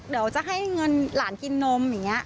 เดี๋ยวจะให้เงินหลานกินนมอย่างนี้